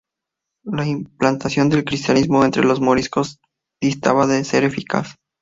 La implantación del cristianismo entre los moriscos distaba de ser eficaz.